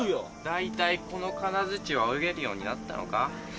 大体この金づちは泳げるようになったのか？